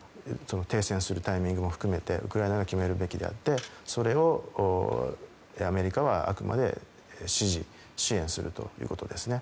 停戦するタイミングも含めてウクライナが決めるべきであってそれを、アメリカはあくまで支持支援するということですね。